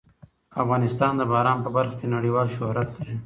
افغانستان د باران په برخه کې نړیوال شهرت لري.